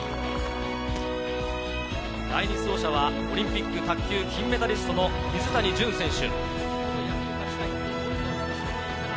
第２走者はオリンピック卓球金メダリストの水谷隼選手。